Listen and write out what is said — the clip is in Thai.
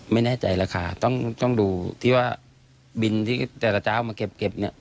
ไม่แน่ใจราคาต้องดูที่ว่าบินที่แต่ละเจ้าเอามาเก็บเนี่ย